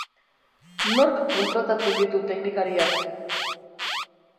Nork kontratatzen ditu teknikariak?